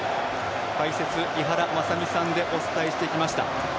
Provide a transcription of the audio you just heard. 解説、井原正巳さんでお伝えしてきました。